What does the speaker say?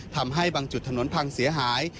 ทำให้บางจุดถนนพังเสียหาย